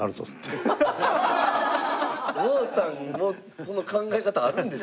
王さんもその考え方あるんですね。